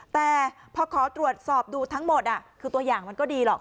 แต่พอขอตรวจสอบดูทั้งหมดคือตัวอย่างมันก็ดีหรอก